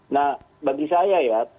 nah bagi saya ya